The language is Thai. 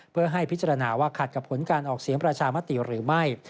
เพื่อให้พิจารณาว่าขัดกับผลการออกเสียงประชามติหรือไม่